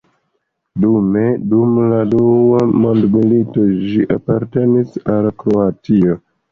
Dume dum la Dua Mondmilito ĝi apartenis al Kroatio.